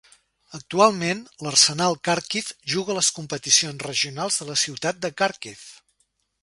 Actualment, l'Arsenal Kharkiv juga a les competicions regionals de la ciutat de Khàrkiv.